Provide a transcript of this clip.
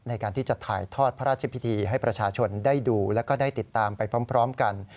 ในการที่จะถ่ายทอดพระราชพิธีให้ประชาชนได้ดูแล้วก็ได้ติดตามไปพร้อมกัน